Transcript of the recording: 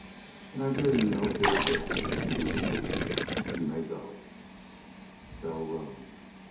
And I bear you no ill will for deceiving me. You may go." Bell rose.